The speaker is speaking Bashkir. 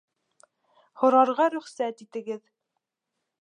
Һорарға рөхсәт итегеҙ